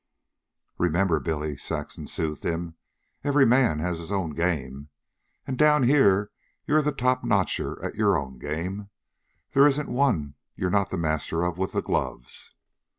"Remember, Billy," Saxon soothed him, "every man to his own game. And down here you're a top notcher at your own game. There isn't one you're not the master of with the gloves."